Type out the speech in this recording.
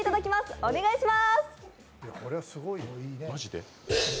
お願いします！